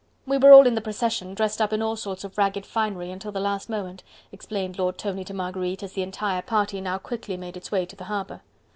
"We were all in the procession, dressed up in all sorts of ragged finery, until the last moment," explained Lord Tony to Marguerite as the entire party now quickly made its way to the harbour.